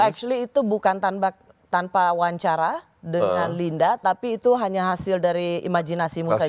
extly itu bukan tanpa wawancara dengan linda tapi itu hanya hasil dari imajinasimu saja